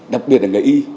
đặc biệt là nghề y